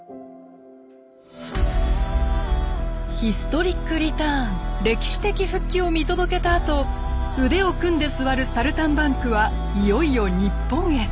ヒストリックリターン歴史的復帰を見届けたあと「腕を組んですわるサルタンバンク」はいよいよ日本へ。